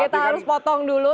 kita harus potong dulu